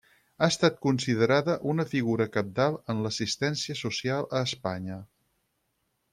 Ha estat considerada una figura cabdal en l'assistència social a Espanya.